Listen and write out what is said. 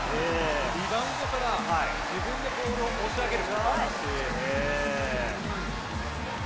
リバウンドから自分でボールを持ち上げる。